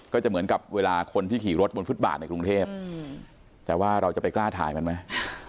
ก็จะเหมือนกับเวลาคนที่ขี่รถบนฟุตบาทในกรุงเทพแต่ว่าเราจะไปกล้าถ่ายมันไหม